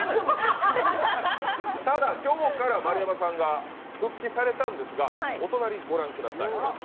ただ、今日から丸山さんが復帰されたんですがお隣ご覧ください。